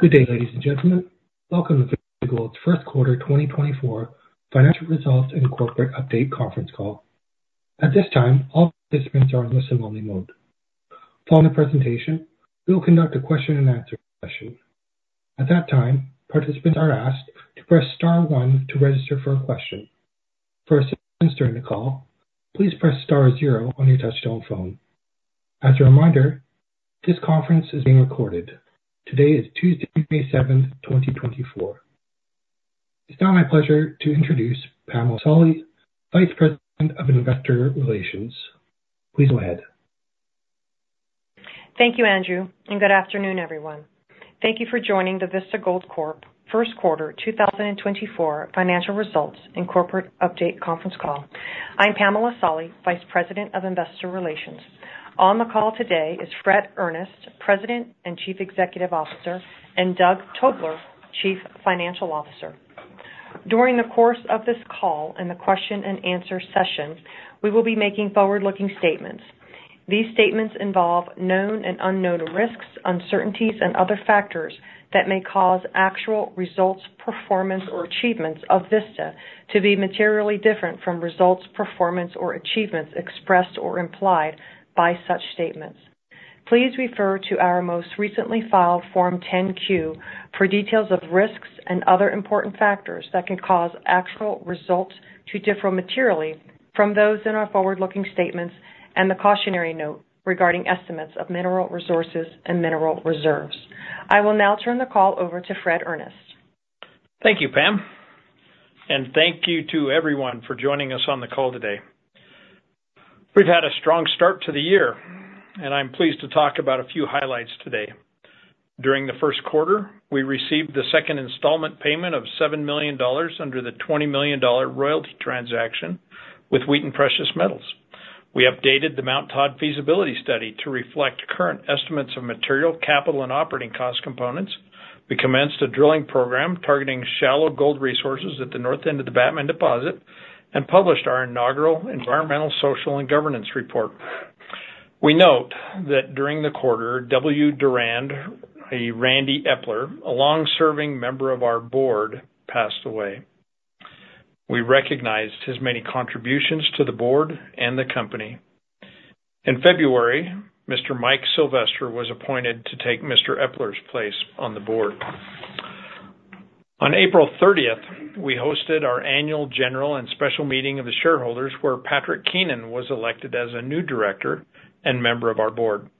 Good day, ladies and gentlemen. Welcome to Vista Gold's first quarter 2024 financial results and corporate update conference call. At this time, all participants are in listen-only mode. Following the presentation, we will conduct a question and answer session. At that time, participants are asked to press star one to register for a question. For assistance during the call, please press star zero on your touchtone phone. As a reminder, this conference is being recorded. Today is Tuesday, May 7, 2024. It's now my pleasure to introduce Pamela Solly, Vice President of Investor Relations. Please go ahead. Thank you, Andrew, and good afternoon, everyone. Thank you for joining the Vista Gold Corp. first quarter 2024 financial results and corporate update conference call. I'm Pamela Solly, Vice President of Investor Relations. On the call today is Fred Earnest, President and Chief Executive Officer, and Doug Tobler, Chief Financial Officer. During the course of this call and the question and answer session, we will be making forward-looking statements. These statements involve known and unknown risks, uncertainties, and other factors that may cause actual results, performance, or achievements of Vista to be materially different from results, performance, or achievements expressed or implied by such statements. Please refer to our most recently filed Form 10-Q for details of risks and other important factors that can cause actual results to differ materially from those in our forward-looking statements and the cautionary note regarding estimates of mineral resources and mineral reserves. I will now turn the call over to Fred Earnest. Thank you, Pam, and thank you to everyone for joining us on the call today. We've had a strong start to the year, and I'm pleased to talk about a few highlights today. During the first quarter, we received the second installment payment of $7 million under the $20 million royalty transaction with Wheaton Precious Metals. We updated the Mt. Todd Feasibility Study to reflect current estimates of material, capital, and operating cost components. We commenced a drilling program targeting shallow gold resources at the north end of the Batman Deposit and published our inaugural Environmental, Social, and Governance report. We note that during the quarter, W. Durand Epler or Randy Epler, a long-serving member of our board, passed away. We recognized his many contributions to the board and the company. In February, Mr. Mike Sylvester was appointed to take Mr. Epler's place on the board. On April 30, we hosted our annual general and special meeting of the shareholders, where Patrick Keenan was elected as a new director and member of our board.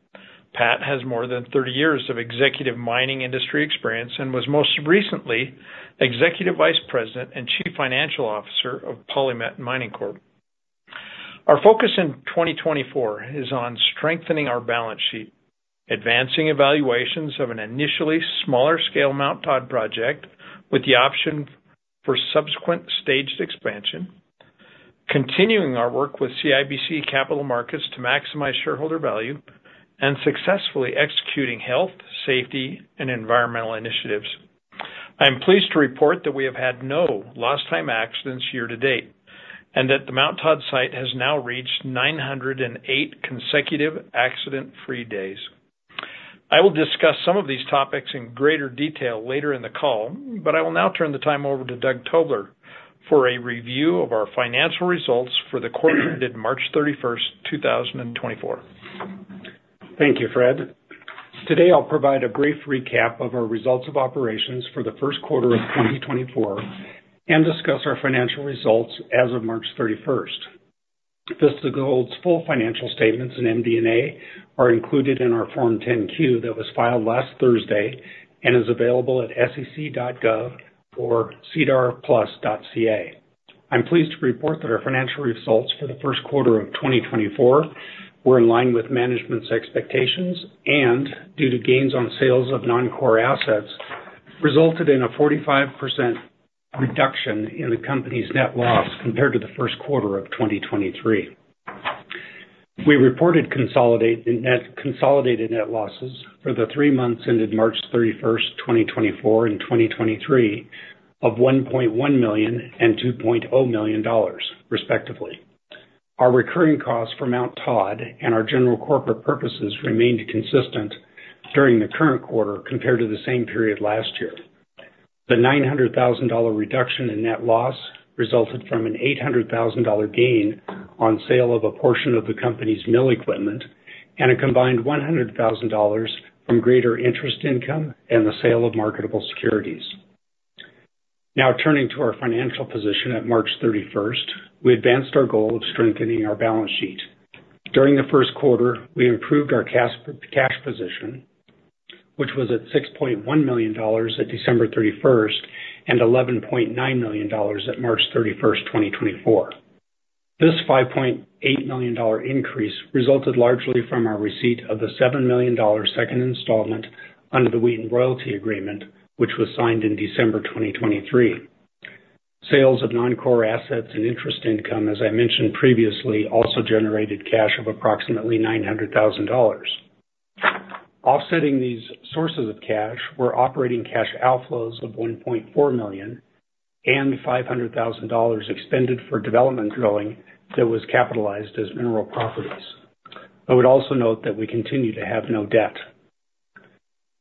Pat has more than 30 years of executive mining industry experience and was most recently Executive Vice President and Chief Financial Officer of PolyMet Mining Corp. Our focus in 2024 is on strengthening our balance sheet, advancing evaluations of an initially smaller scale Mt Todd project with the option for subsequent staged expansion, continuing our work with CIBC Capital Markets to maximize shareholder value, and successfully executing health, safety, and environmental initiatives. I'm pleased to report that we have had no lost time accidents year to date, and that the Mt Todd site has now reached 908 consecutive accident-free days. I will discuss some of these topics in greater detail later in the call, but I will now turn the time over to Doug Tobler for a review of our financial results for the quarter ended March 31st, 2024. Thank you, Fred. Today, I'll provide a brief recap of our results of operations for the first quarter of 2024 and discuss our financial results as of March 31. Vista Gold's full financial statements and MD&A are included in our Form 10-Q that was filed last Thursday and is available at sec.gov or sedarplus.ca. I'm pleased to report that our financial results for the first quarter of 2024 were in line with management's expectations and, due to gains on sales of non-core assets, resulted in a 45% reduction in the company's net loss compared to the first quarter of 2023. We reported consolidated net losses for the three months ended March 31, 2024 and 2023, of $1.1 million and $2.0 million, respectively. Our recurring costs for Mt. Todd and our general corporate purposes remained consistent during the current quarter compared to the same period last year. The $900,000 reduction in net loss resulted from an $800,000 gain on sale of a portion of the company's mill equipment, and a combined $100,000 from greater interest income and the sale of marketable securities. Now, turning to our financial position at March 31, we advanced our goal of strengthening our balance sheet. During the first quarter, we improved our cash position, which was at $6.1 million at December 31 and $11.9 million at March 31, 2024. This $5.8 million increase resulted largely from our receipt of the $7 million second installment under the Wheaton Royalty Agreement, which was signed in December 2023. Sales of non-core assets and interest income, as I mentioned previously, also generated cash of approximately $900,000. Offsetting these sources of cash were operating cash outflows of $1.4 million and $500,000 expended for development drilling that was capitalized as mineral properties. I would also note that we continue to have no debt.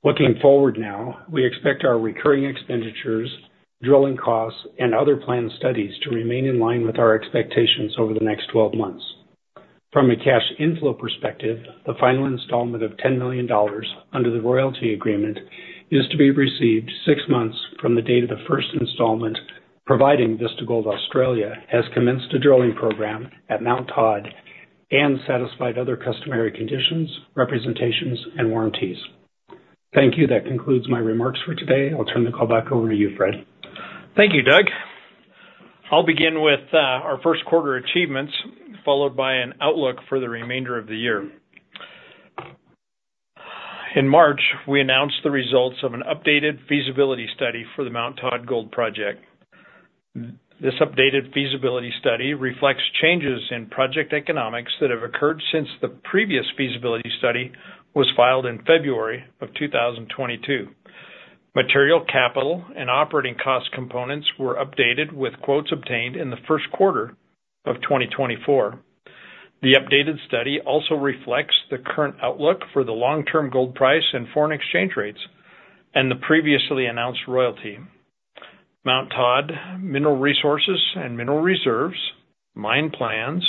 Looking forward now, we expect our recurring expenditures, drilling costs, and other planned studies to remain in line with our expectations over the next 12 months. From a cash inflow perspective, the final installment of $10 million under the royalty agreement is to be received six months from the date of the first installment, providing Vista Gold Australia has commenced a drilling program at Mount Todd and satisfied other customary conditions, representations, and warranties. Thank you. That concludes my remarks for today. I'll turn the call back over to you, Fred. Thank you, Doug. I'll begin with our first quarter achievements, followed by an outlook for the remainder of the year. In March, we announced the results of an updated feasibility study for the Mount Todd Gold Project. This updated feasibility study reflects changes in project economics that have occurred since the previous feasibility study was filed in February of 2022. Material, capital, and operating cost components were updated with quotes obtained in the first quarter of 2024. The updated study also reflects the current outlook for the long-term gold price and foreign exchange rates and the previously announced royalty. Mount Todd mineral resources and mineral reserves, mine plans,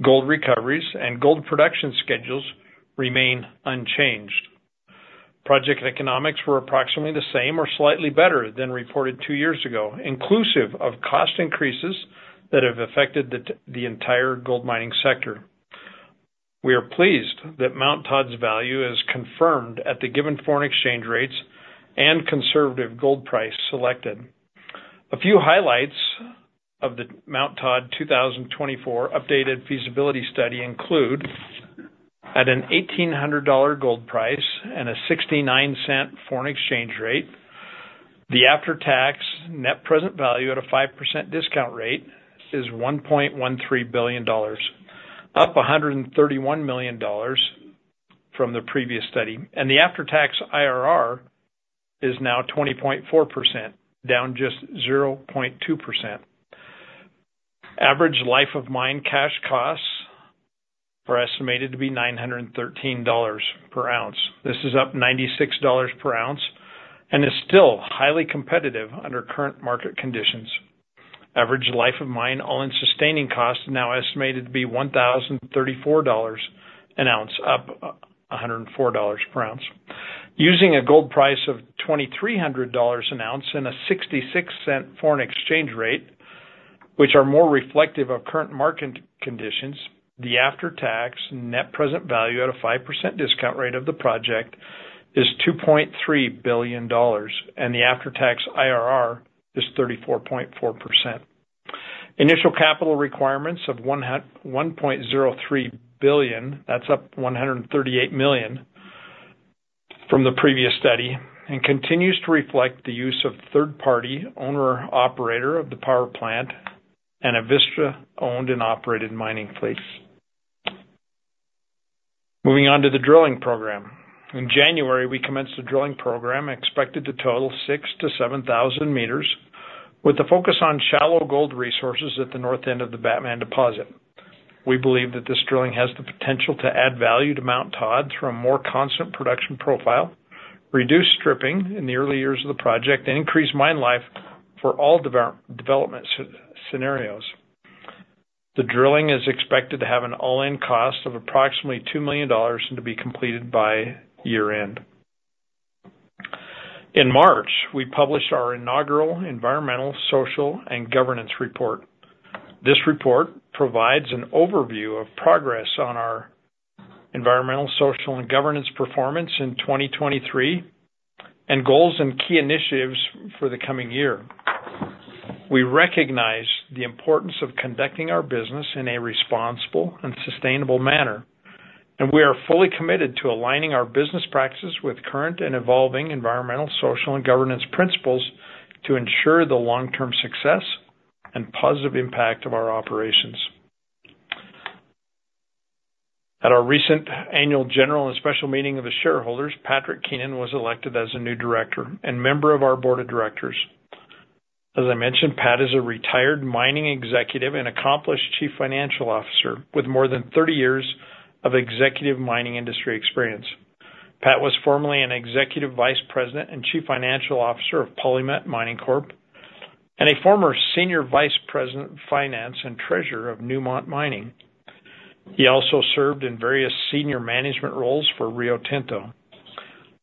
gold recoveries, and gold production schedules remain unchanged. Project economics were approximately the same or slightly better than reported two years ago, inclusive of cost increases that have affected the entire gold mining sector. We are pleased that Mt Todd's value is confirmed at the given foreign exchange rates and conservative gold price selected. A few highlights of the Mt Todd 2024 updated feasibility study include: at a $1,800 gold price and a 0.69 foreign exchange rate, the after-tax net present value at a 5% discount rate is $1.13 billion, up $131 million from the previous study, and the after-tax IRR is now 20.4%, down just 0.2%. Average life of mine cash costs are estimated to be $913 per ounce. This is up $96 per ounce and is still highly competitive under current market conditions. Average life of mine, All-in Sustaining Costs, now estimated to be $1,034 an ounce, up $104 per ounce. Using a gold price of $2,300 an ounce and a 0.66 foreign exchange rate, which are more reflective of current market conditions, the after-tax net present value at a 5% discount rate of the project is $2.3 billion, and the after-tax IRR is 34.4%. Initial capital requirements of $1.03 billion, that's up $138 million from the previous study, and continues to reflect the use of third-party owner-operator of the power plant and a Vista owned and operated mining fleet. Moving on to the drilling program. In January, we commenced a drilling program expected to total 6,000-7,000 meters, with a focus on shallow gold resources at the north end of the Batman Deposit. We believe that this drilling has the potential to add value to Mt. Todd through a more constant production profile, reduce stripping in the early years of the project, and increase mine life for all development scenarios. The drilling is expected to have an all-in cost of approximately $2 million and to be completed by year-end. In March, we published our inaugural Environmental, Social, and Governance report. This report provides an overview of progress on our Environmental, Social, and Governance performance in 2023, and goals and key initiatives for the coming year. We recognize the importance of conducting our business in a responsible and sustainable manner, and we are fully committed to aligning our business practices with current and evolving environmental, social, and governance principles to ensure the long-term success and positive impact of our operations. At our recent annual general and special meeting of the shareholders, Patrick Keenan was elected as a new director and member of our board of directors. As I mentioned, Pat is a retired mining executive and accomplished chief financial officer, with more than thirty years of executive mining industry experience. Pat was formerly an executive vice president and chief financial officer of PolyMet Mining Corp., and a former senior vice president of finance and treasurer of Newmont Mining. He also served in various senior management roles for Rio Tinto.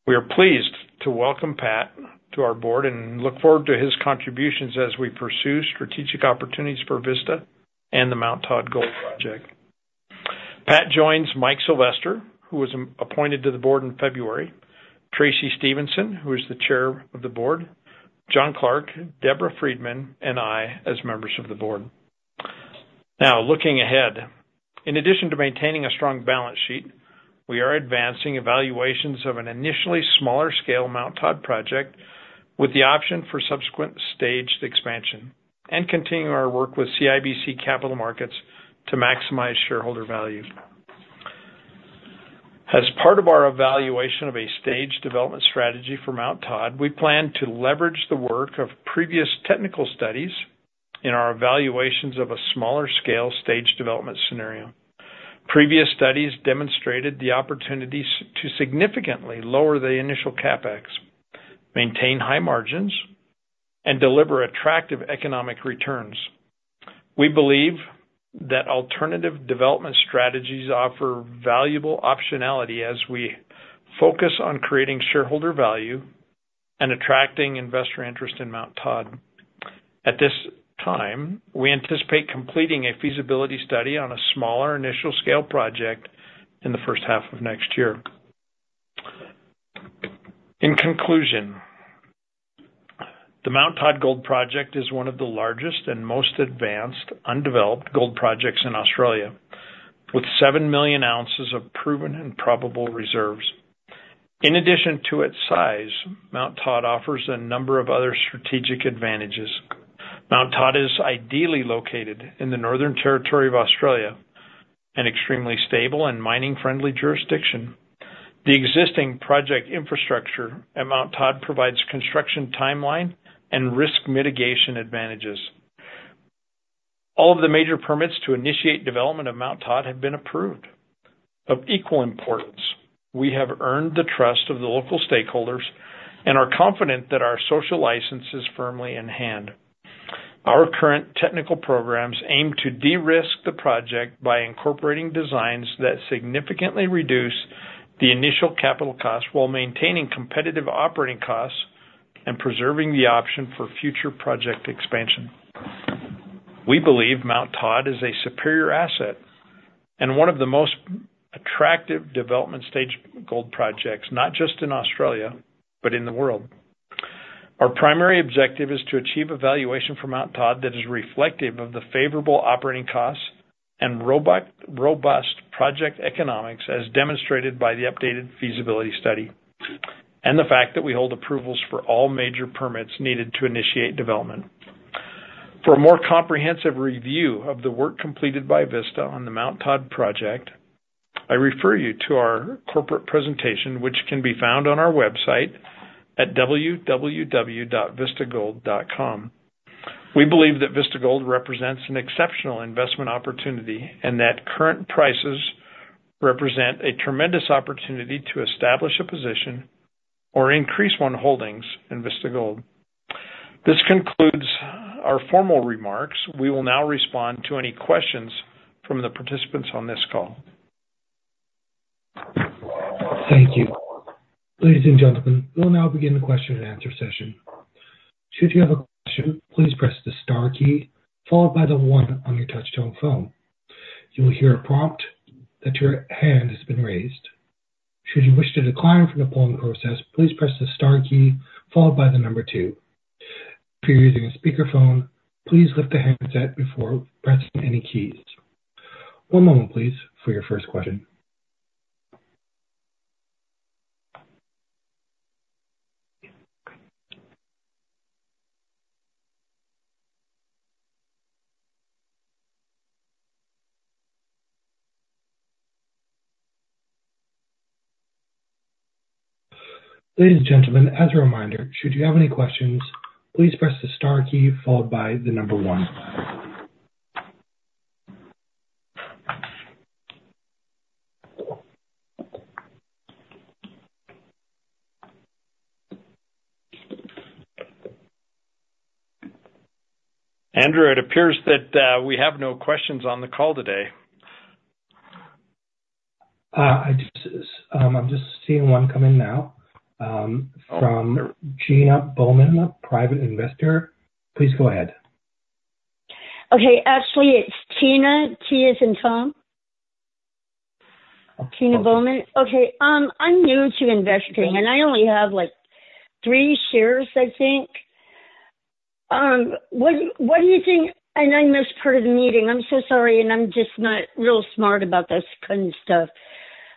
We are pleased to welcome Pat to our board and look forward to his contributions as we pursue strategic opportunities for Vista and the Mt. Todd Gold Project. Pat joins Mike Sylvester, who was appointed to the board in February, Tracy Stevenson, who is the chair of the board, John Clark, Deborah Friedman, and I as members of the board. Now, looking ahead, in addition to maintaining a strong balance sheet, we are advancing evaluations of an initially smaller scale Mt. Todd project, with the option for subsequent staged expansion and continuing our work with CIBC Capital Markets to maximize shareholder value. As part of our evaluation of a stage development strategy for Mt. Todd, we plan to leverage the work of previous technical studies in our evaluations of a smaller scale stage development scenario. Previous studies demonstrated the opportunities to significantly lower the initial CapEx, maintain high margins, and deliver attractive economic returns. We believe that alternative development strategies offer valuable optionality as we focus on creating shareholder value and attracting investor interest in Mt Todd. At this time, we anticipate completing a feasibility study on a smaller initial scale project in the first half of next year. In conclusion, the Mt Todd Gold Project is one of the largest and most advanced undeveloped gold projects in Australia, with 7 million ounces of proven and probable reserves. In addition to its size, Mt Todd offers a number of other strategic advantages. Mt Todd is ideally located in the Northern Territory of Australia, an extremely stable and mining-friendly jurisdiction. The existing project infrastructure at Mt Todd provides construction timeline and risk mitigation advantages. All of the major permits to initiate development of Mt Todd have been approved. Of equal importance, we have earned the trust of the local stakeholders and are confident that our social license is firmly in hand. Our current technical programs aim to de-risk the project by incorporating designs that significantly reduce the initial capital costs while maintaining competitive operating costs and preserving the option for future project expansion. We believe Mt Todd is a superior asset and one of the most attractive development stage gold projects, not just in Australia, but in the world. Our primary objective is to achieve a valuation for Mt Todd that is reflective of the favorable operating costs and robust project economics, as demonstrated by the updated feasibility study, and the fact that we hold approvals for all major permits needed to initiate development. For a more comprehensive review of the work completed by Vista on the Mt Todd project, I refer you to our corporate presentation, which can be found on our website at www.vistagold.com. We believe that Vista Gold represents an exceptional investment opportunity and that current prices represent a tremendous opportunity to establish a position or increase one's holdings in Vista Gold. This concludes our formal remarks. We will now respond to any questions from the participants on this call. Thank you. Ladies and gentlemen, we'll now begin the question and answer session. Should you have a question, please press the star key followed by the one on your touchtone phone. You will hear a prompt that your hand has been raised. Should you wish to decline from the polling process, please press the star key followed by the number two. If you're using a speakerphone, please lift the handset before pressing any keys. One moment, please, for your first question. Ladies and gentlemen, as a reminder, should you have any questions, please press the star key followed by the number one. Andrew, it appears that, we have no questions on the call today. I just, I'm just seeing one come in now, from Tina Bowman, a private investor. Please go ahead. Okay. Actually, it's Tina. T as in Tom. Tina Bowman. Okay, I'm new to investing, and I only have, like, three shares, I think. What do you think... And I missed part of the meeting. I'm so sorry, and I'm just not real smart about this kind of stuff,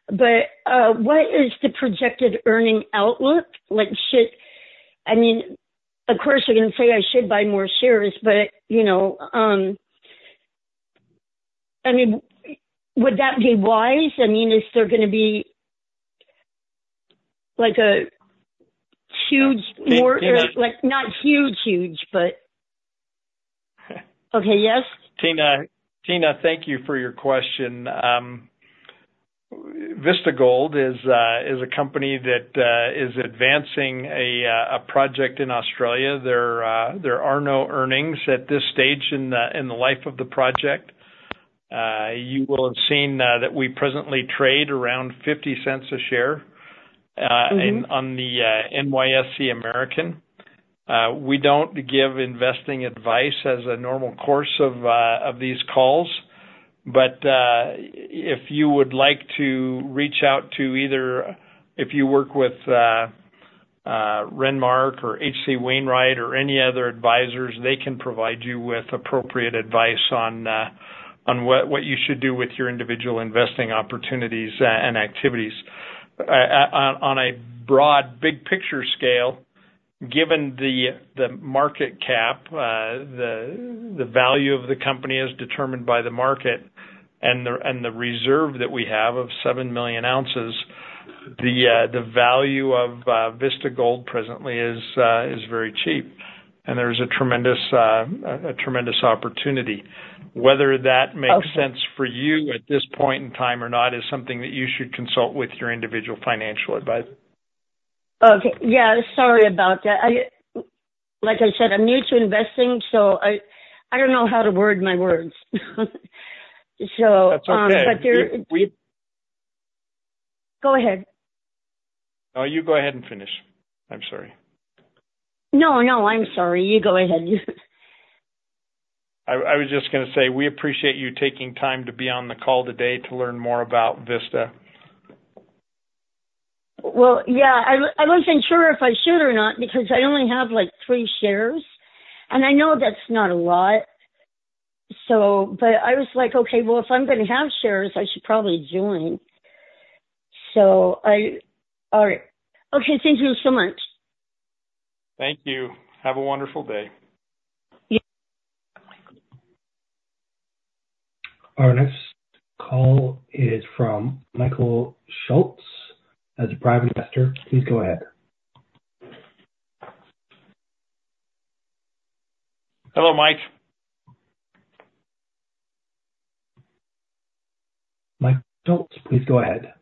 but, what is the projected earning outlook? Like, should-- I mean, of course, you're gonna say I should buy more shares, but, you know, I mean, would that be wise? I mean, is there gonna be like a huge, more- Hey, Tina- Like, not huge, huge, but... Okay, yes? Tina, Tina, thank you for your question. Vista Gold is a company that is advancing a project in Australia. There are no earnings at this stage in the life of the project. You will have seen that we presently trade around $0.50 a share. Mm-hmm. on the NYSE American. We don't give investing advice as a normal course of these calls. But if you would like to reach out to either if you work with Renmark or H.C. Wainwright or any other advisors, they can provide you with appropriate advice on what you should do with your individual investing opportunities and activities. On a broad, big picture scale- Given the market cap, the value of the company is determined by the market and the reserve that we have of 7 million ounces. The value of Vista Gold presently is very cheap, and there's a tremendous opportunity. Whether that makes sense for you at this point in time or not, is something that you should consult with your individual financial advisor. Okay. Yeah, sorry about that. I, like I said, I'm new to investing, so I, I don't know how to word my words. So, That's okay. Go ahead. No, you go ahead and finish. I'm sorry. No, no, I'm sorry. You go ahead. I was just gonna say, we appreciate you taking time to be on the call today to learn more about Vista. Well, yeah, I wasn't sure if I should or not, because I only have, like, three shares, and I know that's not a lot, so... But I was like: "Okay, well, if I'm gonna have shares, I should probably join." So I-- All right. Okay, thank you so much. Thank you. Have a wonderful day. Yeah. Our next call is from Michael Schultz. As a private investor, please go ahead. Hello, Mike. Mike Schultz, please go ahead.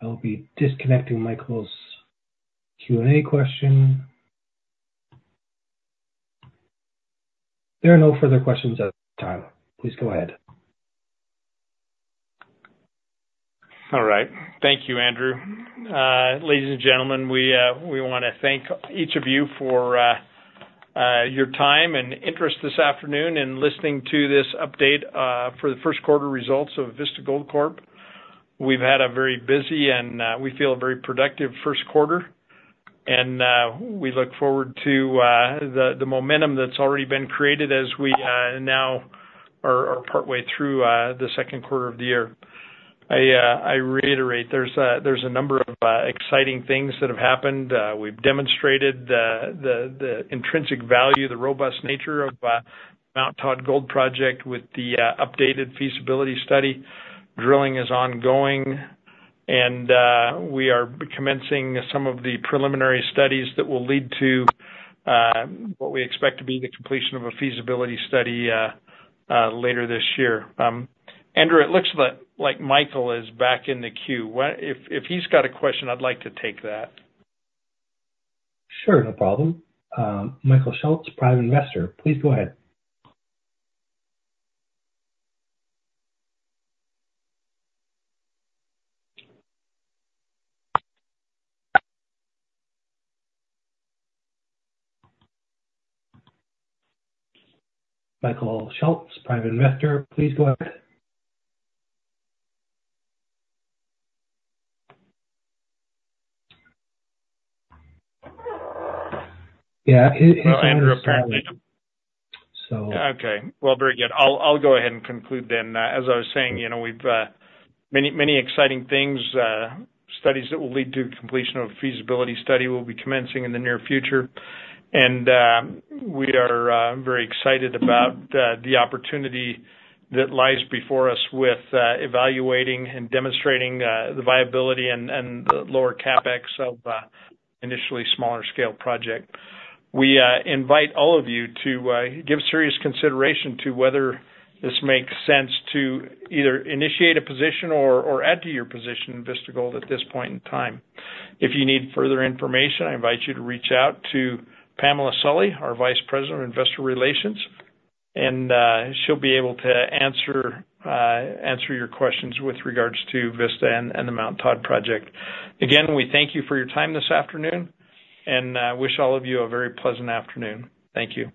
I'll be disconnecting Michael's Q&A question. There are no further questions at this time. Please go ahead. All right. Thank you, Andrew. Ladies and gentlemen, we wanna thank each of you for your time and interest this afternoon in listening to this update for the first quarter results of Vista Gold Corp. We've had a very busy and we feel a very productive first quarter, and we look forward to the momentum that's already been created as we now are partway through the second quarter of the year. I reiterate, there's a number of exciting things that have happened. We've demonstrated the intrinsic value, the robust nature of Mt Todd Gold Project with the updated feasibility study. Drilling is ongoing, and we are commencing some of the preliminary studies that will lead to what we expect to be the completion of a feasibility study later this year. Andrew, it looks like Michael is back in the queue. If he's got a question, I'd like to take that. Sure, no problem. Michael Schultz, private investor, please go ahead. Michael Schultz, private investor, please go ahead. Yeah, he- Andrew, apparently... So. Okay. Well, very good. I'll go ahead and conclude then. As I was saying, you know, we've many, many exciting things, studies that will lead to completion of feasibility study will be commencing in the near future. And we are very excited about the opportunity that lies before us with evaluating and demonstrating the viability and the lower CapEx of initially smaller scale project. We invite all of you to give serious consideration to whether this makes sense to either initiate a position or add to your position in Vista Gold at this point in time. If you need further information, I invite you to reach out to Pamela Solly, our Vice President of Investor Relations, and she'll be able to answer your questions with regards to Vista and the Mt. Todd project. Again, we thank you for your time this afternoon, and wish all of you a very pleasant afternoon. Thank you.